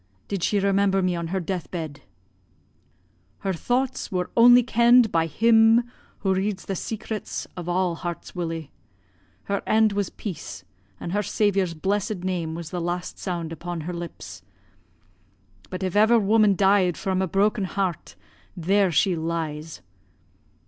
Did she remember me on her death bed?' "'Her thoughts were only ken'd by Him who reads the secrets of a' hearts, Willie. Her end was peace, an' her Saviour's blessed name was the last sound upon her lips. But if ever woman died fra' a broken heart, there she lies.'